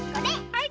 はい！